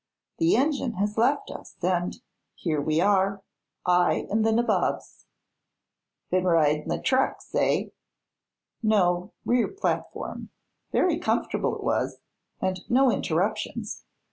The engine has left us, and here we are, I and the nabobs." "Be'n ridin' the trucks, eh?" "No; rear platform. Very comfortable it was, and no interruptions.